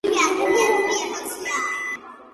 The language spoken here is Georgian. შური ბუნებრივი ადამიანური ემოციაა.